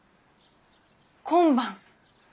今晩！